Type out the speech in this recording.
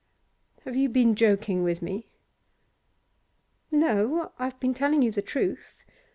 'Have you been joking with me?' 'No, I've been telling you the truth.